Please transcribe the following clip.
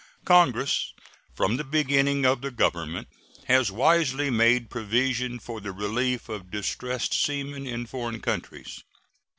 Congress from the beginning of the Government has wisely made provision for the relief of distressed seamen in foreign countries.